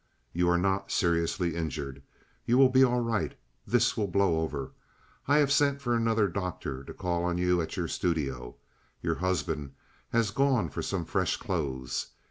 You are not seriously injured. You will be all right. This will blow over. I have sent for another doctor to call on you at your studio. Your husband has gone for some fresh clothes.